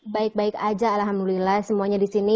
baik baik aja alhamdulillah semuanya disini